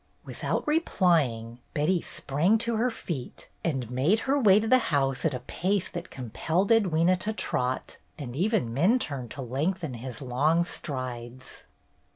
Without replying, Betty sprang to her feet and made her way to the house at a pace that compelled Edwyna to trot, and even Minturne to lengthen his long strides.